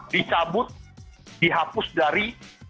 dicabut dihapus dari